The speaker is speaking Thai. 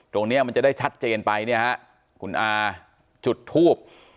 ตรงนี้มันจะได้ชัดเจนไปเนี่ยฮะคุณอาจุดทูบ